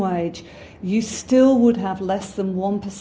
anda masih akan memiliki lebih dari satu